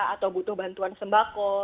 atau butuh bantuan sembako